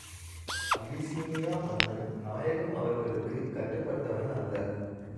Abyssinia மன்னன் நாயகம் அவர்களுக்குக் கட்டுப்பட்டவன் அல்ல.